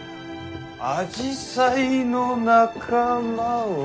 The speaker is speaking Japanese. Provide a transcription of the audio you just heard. アジサイの仲間は。